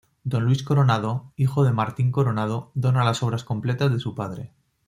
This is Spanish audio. Don Luis Coronado, hijo de Martín Coronado, dona las obras completas de su padre.